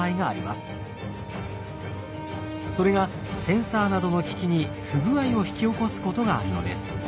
それがセンサーなどの機器に不具合を引き起こすことがあるのです。